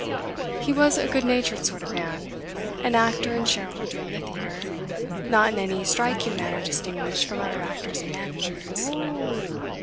He was a good natured sort of man, an actor and shareholder in the theater, not in any striking manner distinguished from other actors and managers.